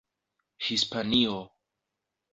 Hispanio